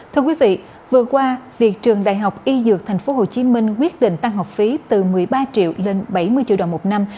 thưa quý vị vừa qua việc trường đại học y dược tp hcm quyết định tăng học phí từ một mươi ba triệu lên bảy mươi triệu đồng một năm